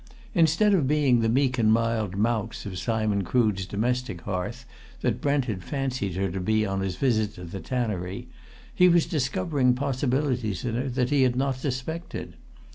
Instead of being the meek and mild mouse of Simon Crood's domestic hearth that Brent had fancied her to be on his visit to the Tannery, he was discovering possibilities in her that he had not suspected.